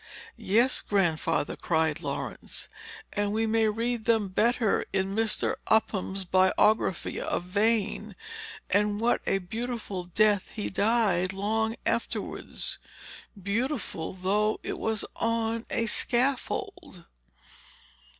"Yes, Grandfather," cried Laurence; "and we may read them better in Mr. Upham's biography of Vane. And what a beautiful death he died, long afterwards! beautiful, though it was on a scaffold."